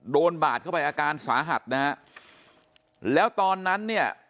บาดเข้าไปอาการสาหัสนะฮะแล้วตอนนั้นเนี่ย